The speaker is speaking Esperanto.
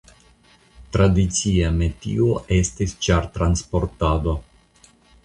Tradicia metio estis ĉartransportado.